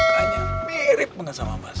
kayaknya mirip banget sama mas